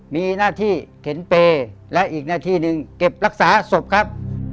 มีหน้าที่เข็นเปย์และอีกหน้าที่หนึ่งเก็บรักษาศพครับ